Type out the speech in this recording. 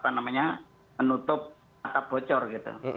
apa namanya menutup atap bocor gitu